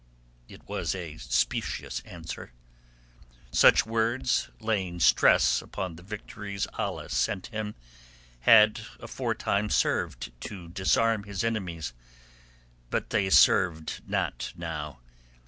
It was a specious answer. Such words—laying stress upon the victories Allah sent him—had afore time served to disarm his enemies. But they served not now.